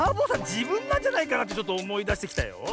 じぶんなんじゃないかなってちょっとおもいだしてきたよ。